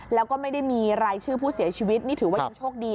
แล้วก็ไม่ได้มีรายชื่อผู้เสียชีวิตนี่ถือว่ายังโชคดี